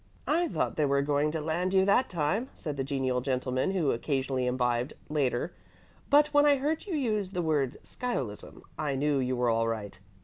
"I thought they were going to land you that time," said the genial gentleman who occasionally imbibed, later; "but when I heard you use the word 'sciolism,' I knew you were all right.